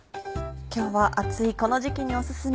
今日は暑いこの時期にオススメ。